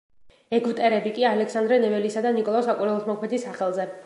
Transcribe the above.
ეგვტერები კი ალექსანდრე ნეველისა და ნიკოლოზ საკვირველთმოქმედის სახელზე.